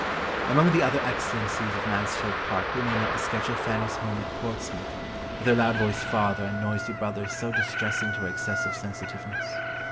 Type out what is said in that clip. Among the other excellencies of Mansfield Park we may note the sketch of Fanny's home at Portsmouth, with her loud voiced father and noisy brothers so distressing to her excessive sensitiveness.